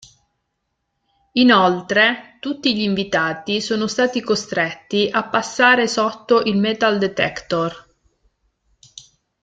Inoltre, tutti gli invitati sono stati costretti a passare sotto il metal detector.